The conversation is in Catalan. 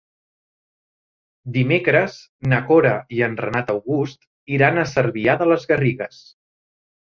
Dimecres na Cora i en Renat August iran a Cervià de les Garrigues.